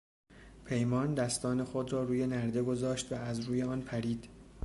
پیمان دستان خود را روی نرده گذاشت و از روی آن پرید.